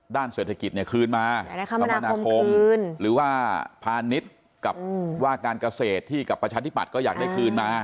ด้านเศรษฐกิจเนี่ยคืนมาคมนาคมหรือว่าพาณิชย์กับว่าการเกษตรที่กับประชาธิบัติก็อยากได้คืนมา